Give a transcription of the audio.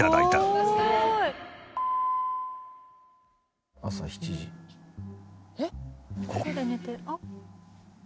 どこで寝てる？あっ。